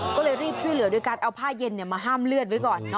ก็เลยรีบช่วยเหลือด้วยการเอาผ้าเย็นมาห้ามเลือดไว้ก่อน